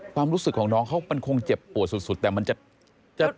ความรู้สึกของน้องเขามันคงเจ็บปวดสุดแต่มันจะจะ